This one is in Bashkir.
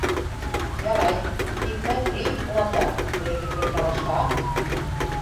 - Ярай, тик мәтри, уландар, берегеҙ бер талашһа.